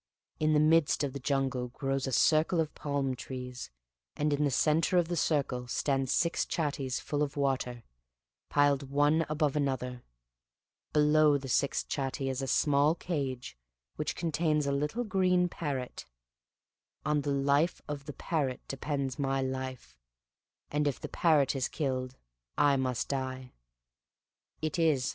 In the midst of the jungle grows a circle of palm trees, and in the center of the circle stand six chattees full of water, piled one above another: below the sixth chattee is a small cage which contains a little green parrot; on the life of the parrot depends my life; and if the parrot is killed I must die. It is.